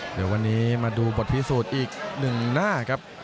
เดี๋ยววันนี้มาดูบทพิสูจน์อีกหนึ่งหน้าครับ